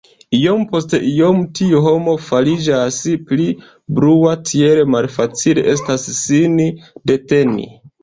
Iom post iom tiu homo fariĝas pli brua; tiel malfacile estas sin deteni!